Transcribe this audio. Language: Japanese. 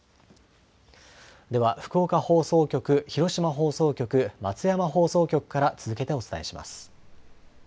では福岡放送局、広島放送局、松山放送局から続けてお伝えします。